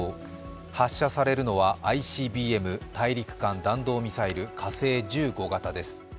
発射されるのはＩＣＢＭ＝大陸間弾道ミサイル火星１５型です。